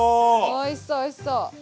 おいしそうおいしそう。